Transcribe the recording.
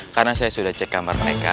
karena saya sudah cek kamar mereka